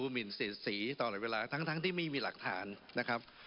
สินศรีตลอดเวลาทั้งที่มีหลักฐานนะครับ